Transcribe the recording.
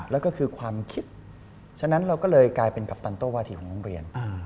แล้วก็คือความคิดฉะนั้นเราก็เลยกลายเป็นกัปตันโตวาถีของโรงเรียน